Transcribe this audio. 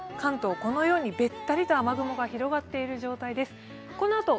このようにべったりと雨雲がかかっている状態です。